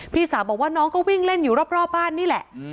พี่สาวบอกว่าน้องก็วิ่งเล่นอยู่รอบบ้านนี่แหละ